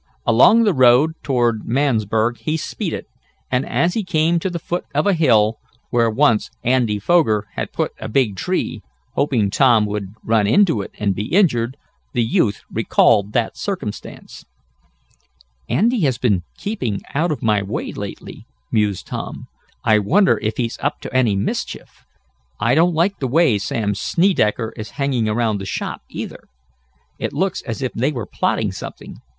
Along the road toward Mansburg he speeded, and, as he came to the foot of a hill, where once Andy Foger had put a big tree, hoping Tom would run into it and be injured, the youth recalled that circumstance. "Andy has been keeping out of my way lately," mused Tom. "I wonder if he's up to any mischief? I don't like the way Sam Snedecker is hanging around the shop, either. It looks as if they were plotting something.